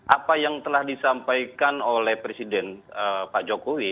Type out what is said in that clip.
apa yang telah disampaikan oleh presiden pak jokowi